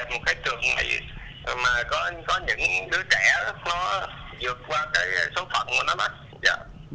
nó vượt qua cái số phận của nó đó